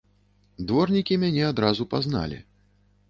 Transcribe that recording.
Дворнікі мяне адразу пазналі.